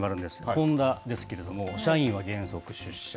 ホンダですけれども、社員は原則出社。